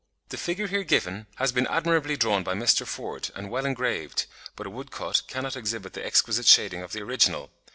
The figure here given has been admirably drawn by Mr. Ford and well engraved, but a woodcut cannot exhibit the exquisite shading of the original.